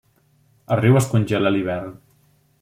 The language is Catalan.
El riu es congela a l'hivern.